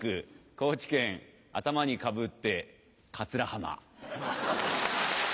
高知県頭にかぶってカツラ浜。